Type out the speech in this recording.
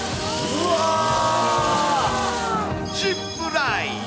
ジップライン。